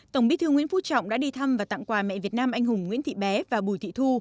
tổng bí thư nguyễn phú trọng đã đi thăm và tặng quà mẹ việt nam anh hùng nguyễn thị bé và bùi thị thu